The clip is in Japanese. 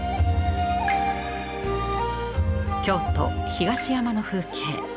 京都・東山の風景。